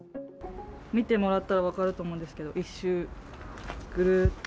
見てもらったら分かると思うんですけど、一周、ぐるっと。